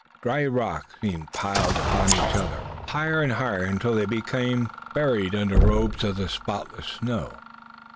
Dark rocks seemed piled upon each other, higher and higher, until they became buried under robes of the spotless snow.